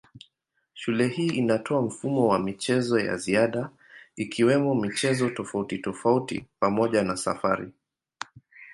Shule hii inatoa mfumo wa michezo ya ziada ikiwemo michezo tofautitofauti pamoja na safari.